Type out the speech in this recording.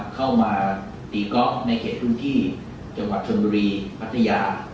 เข้ามาตีก๊อฟในเขตพื้นที่จังหวัดชนบุรีพัทยา